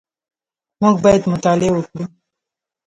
موږ باید مطالعه وکړو